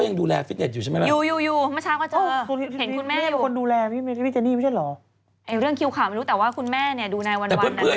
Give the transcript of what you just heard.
มาดูแลพี่พี่ไม่ได้ตั้งแต่เวลาว่าคุณแม่เนี่ยที่วันวาน